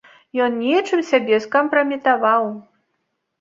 Ён нечым сябе скампраметаваў.